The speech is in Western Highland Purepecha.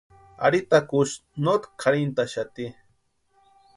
Ari takusï notki kʼarhintʼaxati.